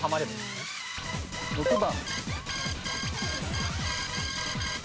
６番。